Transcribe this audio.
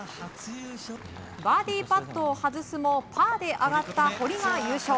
バーディーパットを外すもパーで上がった堀が優勝。